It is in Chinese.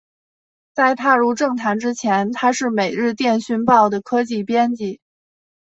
在踏入政坛之前他是每日电讯报的科技编辑。